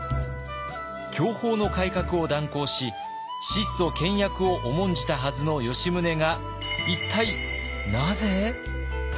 享保の改革を断行し質素倹約を重んじたはずの吉宗が一体なぜ？